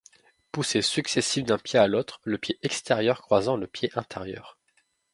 Poussées successives d'un pied à l'autre, le pied extérieur croisant le pied intérieur.